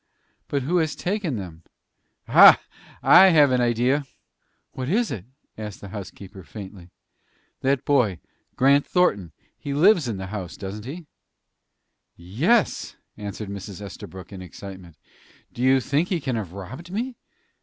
"But who has taken them? Ha! I have an idea." "What is it?" asked the housekeeper, faintly. "That boy Grant Thornton he lives in the house, doesn't he?" "Yes," answered Mrs. Estabrook, in excitement. "Do you think he can have robbed me?"